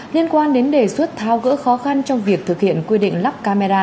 liên quan đến đề xuất thao gỡ khó khăn trong việc thực hiện quy định lắp camera